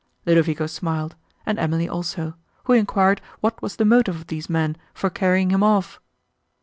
Ludovico smiled, and Emily also, who enquired what was the motive of these men for carrying him off.